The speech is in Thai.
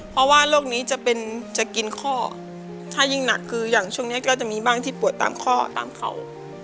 เพราะว่าโรคนี้จะเป็นจะกินข้อถ้ายิ่งหนักคืออย่างช่วงนี้ก็จะมีบ้างที่ปวดตามข้อตามเขา